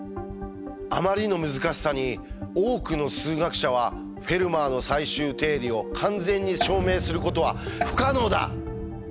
あまりの難しさに多くの数学者は「『フェルマーの最終定理』を完全に証明することは不可能だ！